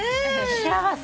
幸せ。